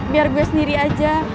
biar gue sendiri aja